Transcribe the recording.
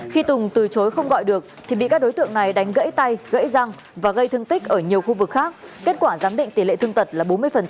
khi tùng từ chối không gọi được thì bị các đối tượng này đánh gãy tay gãy răng và gây thương tích ở nhiều khu vực khác kết quả giám định tỷ lệ thương tật là bốn mươi